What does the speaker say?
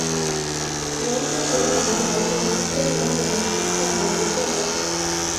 连珠绒兰为兰科绒兰属下的一个种。